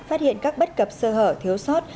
phát hiện các bất cập sơ hở thiếu sót